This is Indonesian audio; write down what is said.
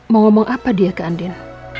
mau ngomong apa dia ke andil